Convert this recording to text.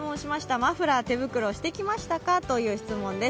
マフラー、手袋してきましたかという質問です。